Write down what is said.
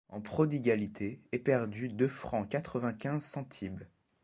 en prodigalités éperdues deux francs quatre-vingt-quinze centibes.